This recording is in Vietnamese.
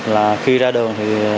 là khi ra đường